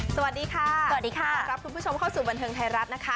สวัสดีค่ะสวัสดีค่ะรับคุณผู้ชมเข้าสู่บันเทิงไทยรัฐนะคะ